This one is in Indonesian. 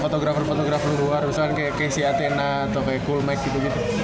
fotografer fotografer luar misalkan kayak si athena atau kayak coolmax gitu gitu